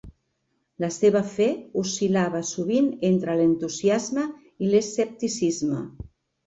La seva fe oscil·lava sovint entre l'entusiasme i l'escepticisme.